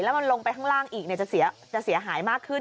มันลงไปข้างล่างอีกจะเสียหายมากขึ้น